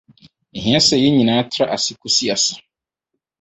Ehia sɛ yɛn nyinaa tra ase kosi ase.